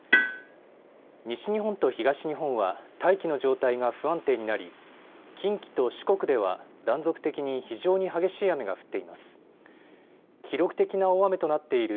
西日本と東日本は大気の状態が不安定になり近畿と四国では断続的に非常に激しい雨が降っています。